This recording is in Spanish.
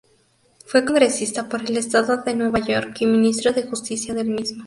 Fue congresista por el estado de Nueva York y ministro de justicia del mismo.